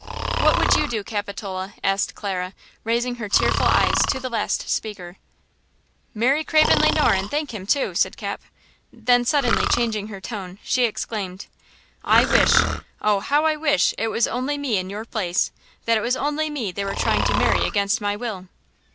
"What would you do, Capitola?" asked Clara, raising her tearful eyes to the last speaker. "Marry Mr. Craven Le Noir and thank him, too!" said Cap. Then, suddenly changing her tone, she exclaimed: "I wish–oh! how I wish it was only me in your place–that it was only me they were trying to marry against my will!"